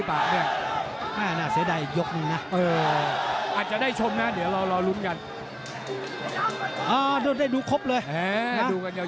ไทยร้านทีมีใจถึงอยู่แล้ว